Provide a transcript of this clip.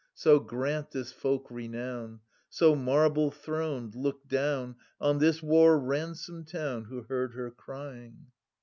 So grant this folk renown ; So, marble throned, look down On this war ransomed town, Who herfrd her crying.